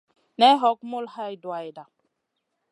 Nay hog mul hay duwayda.